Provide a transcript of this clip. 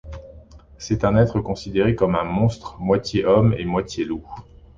C'est un être considéré comme un monstre, moitié-homme et moitié-loup.